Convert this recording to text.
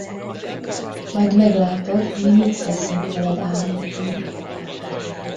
Majd meglátod, mi mit teszünk veled álmodban.